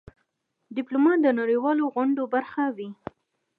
ډيپلومات د نړېوالو غونډو برخه وي.